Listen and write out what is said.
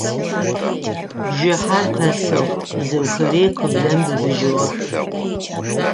Бжыхьэр къэсыгъ, бзыухэри къыблэм быбыжьыгъэх.